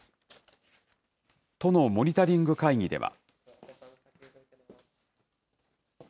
都のモニタリング会議では。